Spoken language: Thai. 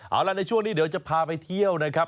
เอาล่ะในช่วงนี้เดี๋ยวจะพาไปเที่ยวนะครับ